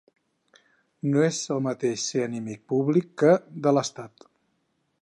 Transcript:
No és el mateix ser enemic públic que de l'estat.